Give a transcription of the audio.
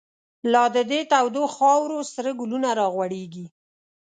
لا د دی تودو خاورو، سره گلونه را غوړیږی